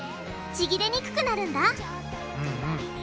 ちぎれにくくなるんだ